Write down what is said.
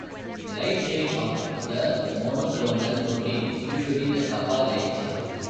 The light chain of the monoclonal protein is usually the kappa light chain.